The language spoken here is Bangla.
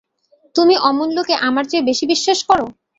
তুমি অমূল্যকে আমার চেয়ে বেশি বিশ্বাস কর?